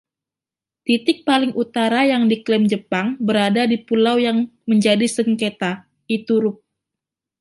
Titik paling utara yang diklaim Jepang berada di pulau yang menjadi sengketa, Iturup.